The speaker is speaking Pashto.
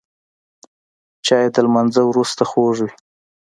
چای د لمانځه وروسته خوږ وي